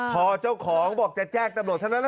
พอเจ้าของบอกจะแจ้งทำโหลดทำโหลด